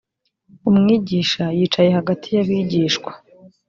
umwigisha yicaye hagati y abigishwa.